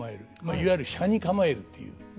いわゆる斜に構えるという。